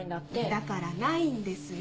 だからないんですよ。